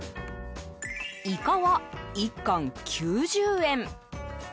イカは１貫９０円。